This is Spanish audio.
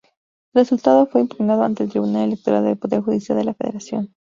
El resultado fue impugnado ante el Tribunal Electoral del Poder Judicial de la Federación.